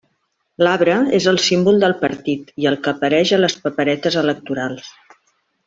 L'arbre és el símbol del partit i el que apareix a les paperetes electorals.